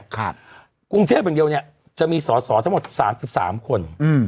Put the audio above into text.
กรุงเทพอย่างเดียวเนี่ยจะมีสอสอทั้งหมด๓๓คนอืม